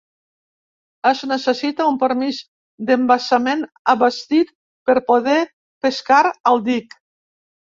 Es necessita un permís d'embassament abastit per poder pescar al dic.